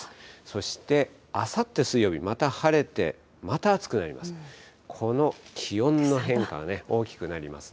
そしてあさって水曜日、また晴れて、また暑くなります。